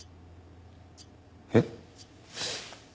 えっ。